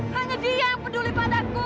hanya dia peduli padaku